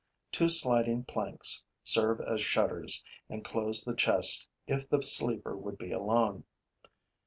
Two sliding planks serve as shutters and close the chest if the sleeper would be alone.